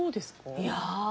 いや。